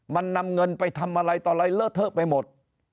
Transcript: มันนำเงินไปทำอะไรต่ออะไรเลอะเทอะไปหมด